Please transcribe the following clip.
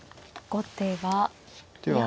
後手は。